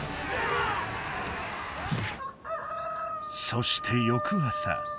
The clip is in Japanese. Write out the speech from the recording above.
そして翌朝。